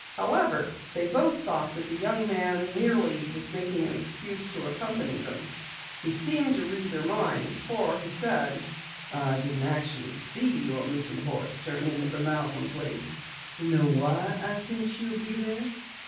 However, they both thought that the young man merely was making an excuse to accompany them. He seemed to read their minds for he said: "I didn't actually see your missing horse turn in at the Malcom place. Know why I think she'll be there?"